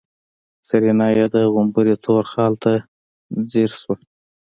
سېرېنا يې د غومبري تور خال ته ځير شوه.